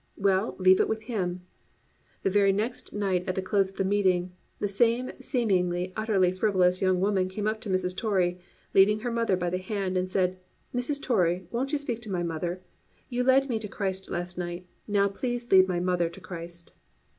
"Well, leave it with Him." The very next night at the close of the meeting the same seemingly utterly frivolous young woman came up to Mrs. Torrey, leading her mother by the hand, and said, "Mrs. Torrey, won't you speak to my mother? You led me to Christ last night, now please lead my mother to Christ."